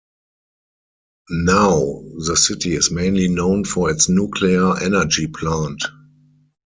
Now the city is mainly known for its nuclear energy plant.